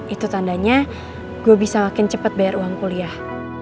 itu tandanya gue bisa makin cepat bayar uang kuliah